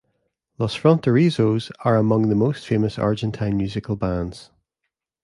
Los Fronterizos are among the most famous Argentine musical bands.